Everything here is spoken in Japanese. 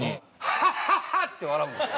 「ハッハッハッ！」って笑うんです。